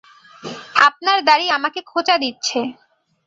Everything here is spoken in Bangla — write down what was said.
আপনার দাড়ি আমাকে খোঁচা দিচ্ছে।